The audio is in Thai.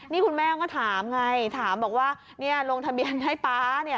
นี่คุณแม่ก็ถามไงถามบอกว่าลงทะเบียนให้ป๊าเนี่ย